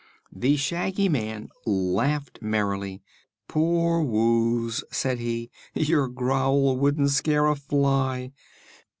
The Shaggy Man laughed merrily. "Poor Wooz!" said he; "your growl wouldn't scare a fly."